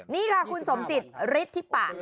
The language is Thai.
นี่ค่ะคุณสมจิตฤทธิปะ